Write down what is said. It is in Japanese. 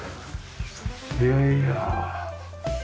いやいや。